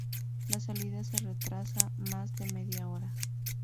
La salida se retrasa más de media hora.